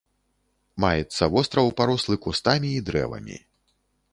Маецца востраў, парослы кустамі і дрэвамі.